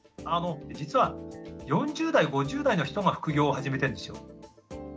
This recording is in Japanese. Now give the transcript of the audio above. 実は４０代５０代の人が副業を始めてるんですよ。